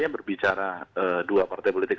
berbicara dua partai politik